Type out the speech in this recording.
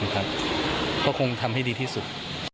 ก็คงทำให้ดีที่สุด